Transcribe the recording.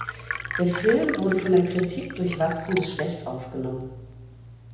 Der Film wurde von der Kritik durchwachsen bis schlecht aufgenommen.